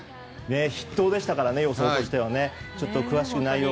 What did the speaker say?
筆頭でしたからね予想として。